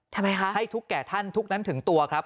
ทำไมคะให้ทุกแก่ท่านทุกนั้นถึงตัวครับ